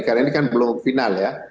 karena ini kan belum final ya